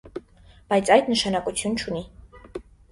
Բայց այդ նշանակություն չունի: